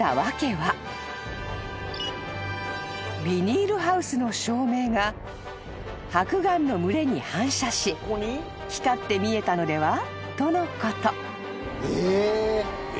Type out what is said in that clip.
［ビニールハウスの照明がハクガンの群れに反射し光って見えたのでは？とのこと］